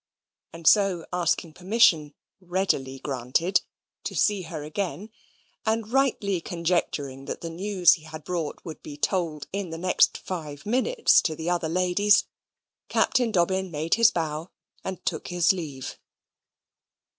And so, asking permission (readily granted) to see her again, and rightly conjecturing that the news he had brought would be told in the next five minutes to the other ladies, Captain Dobbin made his bow and took his leave.